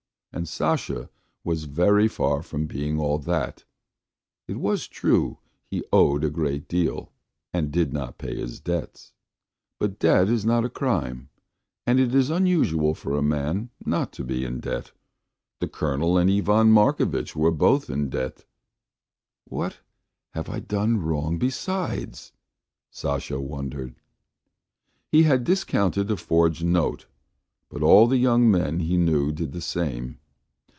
And Sasha was very far from being all that. ... It was true he owed a great deal and did not pay his debts. But debt is not a crime, and it is unusual for a man not to be in debt. The Colonel and Ivan Markovitch were both in debt. ... "What have I done wrong besides?" Sasha wondered. He had discounted a forged note. But all the young men he knew did the same.